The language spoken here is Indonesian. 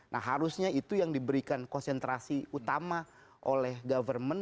nah harusnya itu yang diberikan konsentrasi utama oleh government